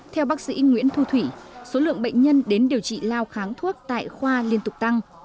theo bác sĩ nguyễn thu thủy số lượng bệnh nhân đến điều trị lao kháng thuốc tại khoa liên tục tăng